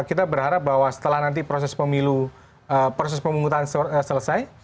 kita berharap bahwa setelah nanti proses pemilu proses pemungutan selesai